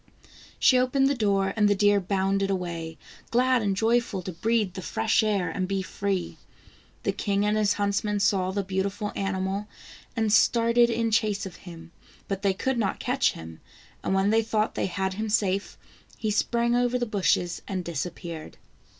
She opened the door and the deer bounded away, glad and joyful to breathe the fresh air, and be free. The king and his huntsmen saw the beautiful animal, and started in chase of him, but they could not catch him, and when they thought they had him safe, he sprang over the bushes and disappeared.